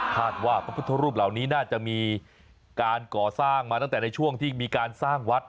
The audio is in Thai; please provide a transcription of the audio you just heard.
พระพุทธรูปเหล่านี้น่าจะมีการก่อสร้างมาตั้งแต่ในช่วงที่มีการสร้างวัด